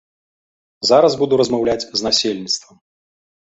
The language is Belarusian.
Зараз буду размаўляць з насельніцтвам.